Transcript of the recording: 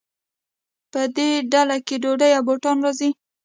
په دې ډله کې ډوډۍ او بوټان راځي.